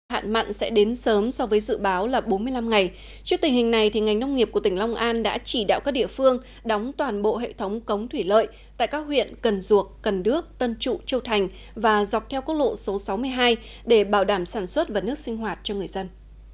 hạn mặn sẽ đến sớm so với dự báo là bốn mươi năm ngày trước tình hình này ngành nông nghiệp của tỉnh long an đã chỉ đạo các địa phương đóng toàn bộ hệ thống cống thủy lợi tại các huyện cần duộc cần đước tân trụ châu thành và dọc theo cốt lộ số sáu mươi hai để bảo đảm sản xuất và nước sinh hoạt cho người dân